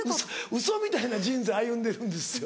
ウソみたいな人生歩んでるんですよ。